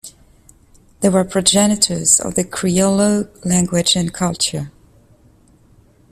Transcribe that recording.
They were the progenitors of the Crioulo language and culture.